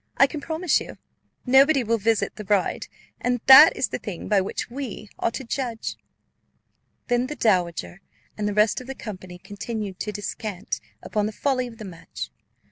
I can promise you, nobody will visit the bride, and that is the thing by which we are to judge." Then the dowager and the rest of the company continued to descant upon the folly of the match.